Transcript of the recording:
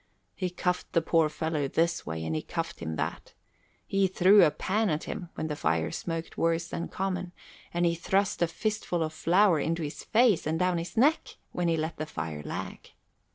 He cuffed the poor fellow this way, and he cuffed him that. He threw a pan at him when the fire smoked worse than common, and he thrust a fistful of flour into his face and down his neck when he let the fire lag.